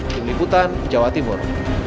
dari liputan jawa timur